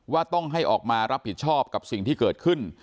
ว่าต้องให้ออกมารับผิดชอบกับสิ่งที่เกิดขึ้น